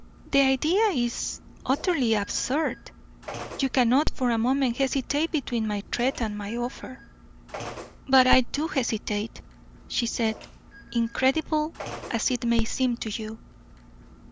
The idea is utterly absurd. You cannot for a moment hesitate between my threat and my offer." "But I do hesitate," she said, "incredible as it may seem to you."